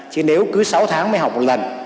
chứ nếu cứ sáu tháng mới học một lần